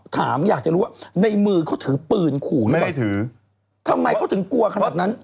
ทำไมเขาถึงกลัวขนาดนั้น